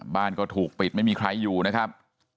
บ้านก็ถูกปิดไม่มีใครอยู่นะครับ